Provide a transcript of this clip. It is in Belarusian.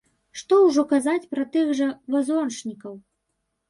Што ўжо казаць пра тых жа вазочнікаў?